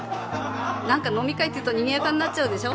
何か飲み会っていうとにぎやかになっちゃうでしょ？